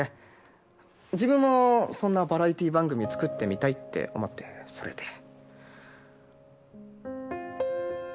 自分もそんなバラエティー番組作ってみたいって思ってそれで。